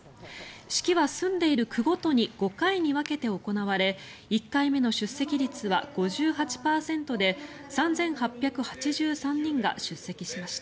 式は、住んでいる区ごとに５回に分けて行われ１回目の出席率は５８％で３８８３人が出席しました。